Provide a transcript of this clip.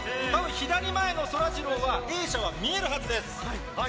左前のそらジローは泳者は見えるはずです。